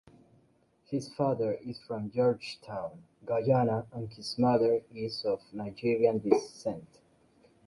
His father is from Georgetown, Guyana and his mother is of Nigerian descent.